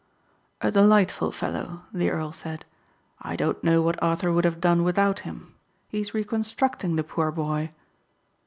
"A delightful fellow," the earl said, "I don't know what Arthur would have done without him. He is reconstructing the poor boy."